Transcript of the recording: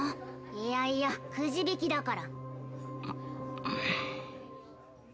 いやいやくじ引きだから。